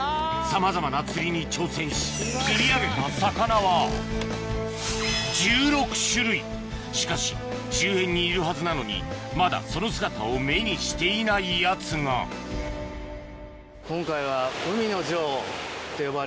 さまざまな釣りに挑戦し釣り上げた魚は１６種類しかし周辺にいるはずなのにまだその姿を目にしていないやつが今回は。